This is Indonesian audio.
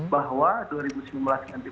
bahwa dua ribu sembilan belas ganti presiden ini